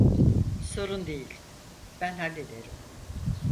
Sorun değil, ben hallederim.